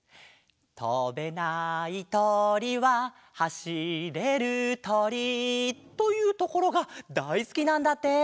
「とべないとりははしれるとり」というところがだいすきなんだって。